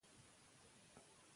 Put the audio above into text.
حکومت باید د خلکو د سر ساتنه وکړي.